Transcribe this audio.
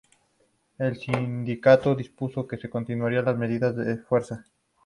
El sindicato dispuso que continuaran las medidas de fuerza.